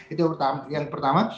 itu yang pertama